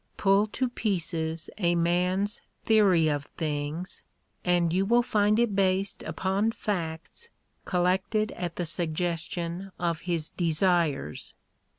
Pull to pieces a man's Theory of Things, and you will find it based upon facts collected at the suggestion of his desires.